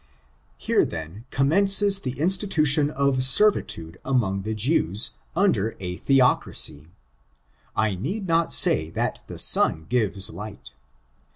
Here, then, commences the institution of servitude among the Jews, under a theocracy. I need not say that the sun gives light.